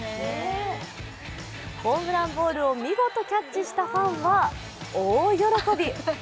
ホームランボールを見事キャッチしたファンは、大喜び。